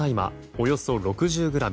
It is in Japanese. およそ６０ｇ